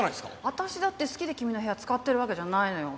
私だって好きで君の部屋使ってるわけじゃないのよ。